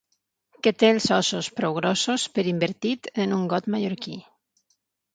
Que té els ossos prou grossos per invertit en un got mallorquí.